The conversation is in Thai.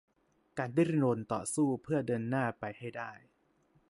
การดิ้นรนต่อสู้เพื่อเดินหน้าไปให้ได้